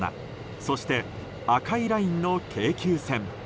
そして赤いラインの京急線。